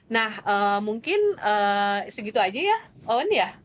nah mungkin segitu aja ya on ya